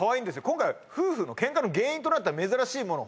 今回夫婦のケンカの原因となった珍しいもの